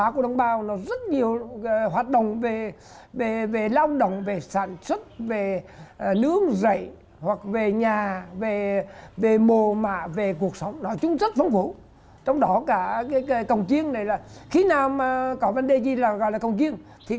cuộc sống văn hóa của đồng bào rất nhiều